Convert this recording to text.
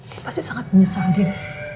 dia pasti sangat menyesal din